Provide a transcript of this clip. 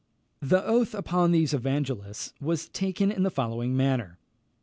The oath upon the evangelists was taken in the following manner.